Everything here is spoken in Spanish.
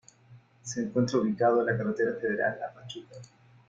Se encuentra ubicado en la carretera federal a Pachuca.